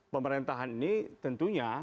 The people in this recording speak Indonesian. pemerintahan ini tentunya